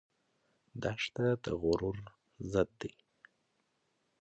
دښته د غرور ضد ده.